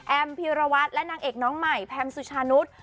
แอมเพรียวราวัทย์และนางเอกน้องใหม่แพรมสุชานุษร์